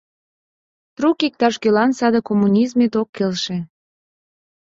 Трук иктаж-кӧлан саде коммунизмет ок келше.